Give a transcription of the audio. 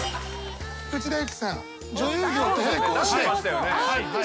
内田有紀さん女優業と並行して。